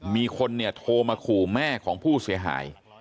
มีคนเนี่ยโทรมาขู่แม่ของผู้เสียหาย